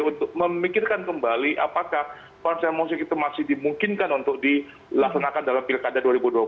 untuk memikirkan kembali apakah konser musik itu masih dimungkinkan untuk dilaksanakan dalam pilkada dua ribu dua puluh